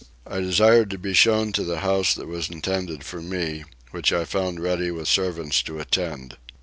I desired to be shown to the house that was intended for me, which I found ready with servants to attend.